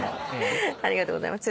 ありがとうございます。